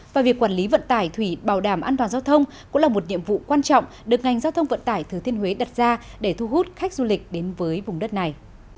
và việc quản lý vận tải thủy bảo đảm an toàn giao thông cũng là một nhiệm vụ quan trọng được ngành giao thông vận tải thừa thiên huế đặt ra để thu hút khách du lịch đến với vùng đất này